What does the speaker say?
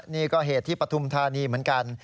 นี่ก็เหตุที่ปฐุมธานีเหมือนกัน